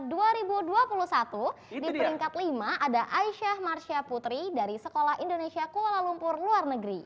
di peringkat lima ada aisyah marsha putri dari sekolah indonesia kuala lumpur luar negeri